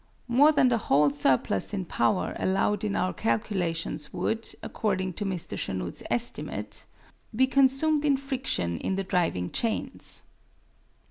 More than the whole surplus in power allowed in our calculations would, according to Mr. Chanute's estimate, be consumed in friction in the driving chains.